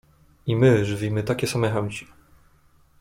"I my żywimy takie same chęci."